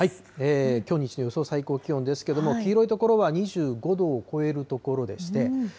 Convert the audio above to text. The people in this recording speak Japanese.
きょう日中の予想最高気温ですけれども、黄色い所は２５度を超える所でして。